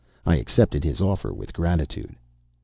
I accepted his offer with gratitude.